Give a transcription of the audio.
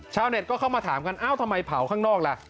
ชาวเน็ตก็เข้ามาถามกันเอ้าทำไมเผาข้างนอกล่ะ